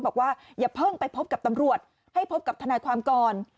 บอกว่าอย่าเพิ่งไปพบกับตำรวจให้พบกับทนายความก่อน